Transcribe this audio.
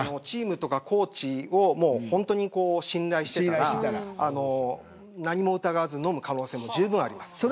チームやコーチを本当に信頼してたら、何も疑わず飲む可能性もじゅうぶんあります。